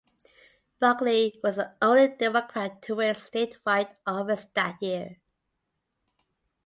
Buckley was the only Democrat to win statewide office that year.